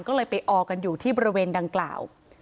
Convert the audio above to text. ก็เลยไปออกันอยู่ที่บริเวณดังกล่าว